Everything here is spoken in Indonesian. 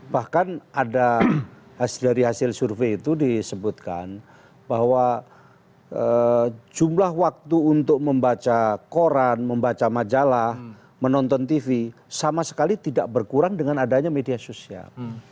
bahkan ada dari hasil survei itu disebutkan bahwa jumlah waktu untuk membaca koran membaca majalah menonton tv sama sekali tidak berkurang dengan adanya media sosial